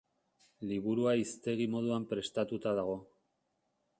Liburua hiztegi moduan prestatuta dago.